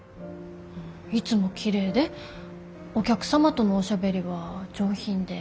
いつもきれいでお客様とのおしゃべりは上品で優しい。